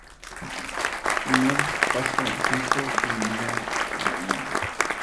Su primer paso por el ascenso fue en Villa Dálmine.